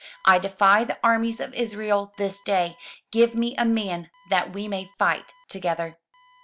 I defy the armies of Israel this day; give me a man, that we may fight together.